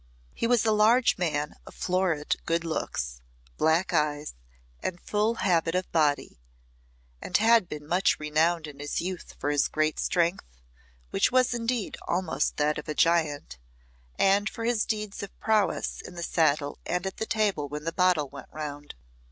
He was a large man of florid good looks, black eyes, and full habit of body, and had been much renowned in his youth for his great strength, which was indeed almost that of a giant, and for his deeds of prowess in the saddle and at the table when the bottle went round.